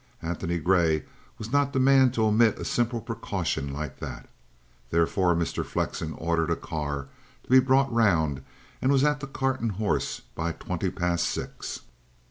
Antony Grey was not the man to omit a simple precaution like that. Therefore, Mr. Flexen ordered a car to be brought round, and was at the "Cart and Horses" by twenty past six.